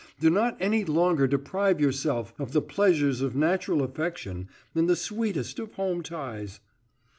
Do not any longer deprive yourself of the pleasures of natural affection and the sweetest of home ties."